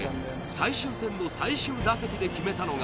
「最終戦の最終打席で決めたのが」